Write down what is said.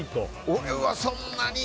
俺は、そんなに。